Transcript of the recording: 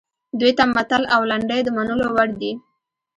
دوی ته متل او لنډۍ د منلو وړ دي